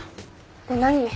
で何？